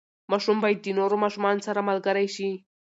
ماشوم باید د نورو ماشومانو سره ملګری شي.